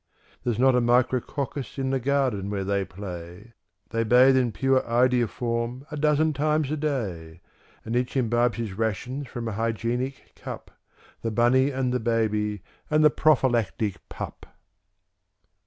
There's not a Micrococcus in the garden where they play; They bathe in pure iodoform a dozen times a day; And each imbibes his rations from a Hygienic CupŚ The Bunny and the Baby and the Prophylactic Pup.